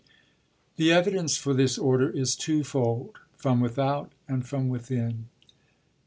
The evidence for this order is twofold— from without, and from within.